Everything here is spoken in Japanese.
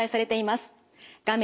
画面